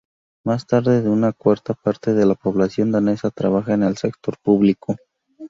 Más de una cuarta parte de la población danesa trabaja en el sector público.